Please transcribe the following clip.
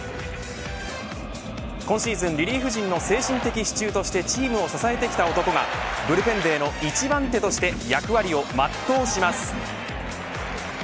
今シーズンリリーフ陣の精神的支柱としてチームを支えてきた男がブルペンデーの一番手として役割を全うします。